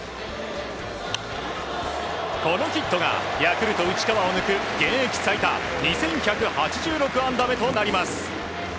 このヒットが、ヤクルト内川を抜く現役最多２１８６本打目となります。